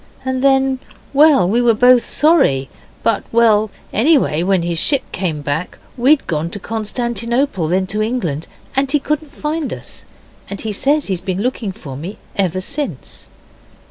And then... well, we were both sorry, but well, anyway, when his ship came back we'd gone to Constantinople, then to England, and he couldn't find us. And he says he's been looking for me ever since.